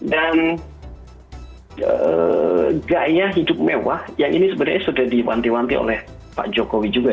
dan gaya hidup mewah yang ini sebenarnya sudah diwanti wanti oleh pak jokowi juga